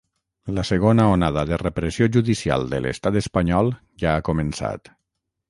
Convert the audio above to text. La segona onada de repressió judicial de l’estat espanyol ja ha començat.